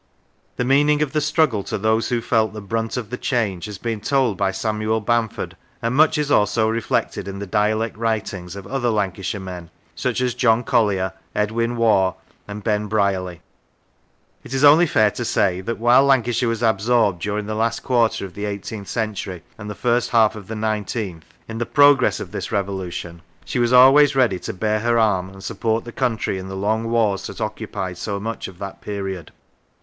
The meaning of the struggle to those who felt the brunt of the change has been told by Samuel Bamford, and much is also reflected in the dialect writings of other Lancashire men, such as John Collier, Edwin Waugh, and Ben Brierley. It is only fair to say that, while Lancashire was absorbed, during the last quarter of the eighteenth century and the first half of the nineteenth, in the progress of this revolution, she was always ready to bare her arm and support the country in the long wars that occupied so much of that period.